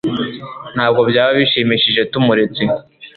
ntabwo byaba bishimishije tumuretse